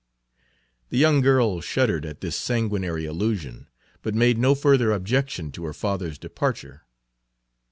The young girl shuddered at this sanguinary allusion, but made no further objection to her father's departure.